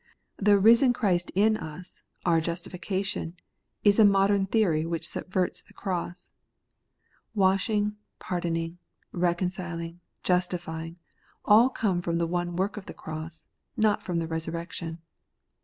The risen Christ in us, our justification, is a modem theory which subverts the cross. Wash ing, pardoning, reconciling, justifying, all come from the one work of the cross, not from resurrection.